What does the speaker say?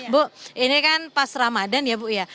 bu ini kan pas ramadhan ya bu ya